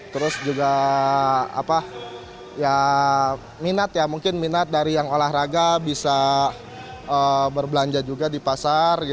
terus juga minat ya mungkin minat dari yang olahraga bisa berbelanja juga di pasar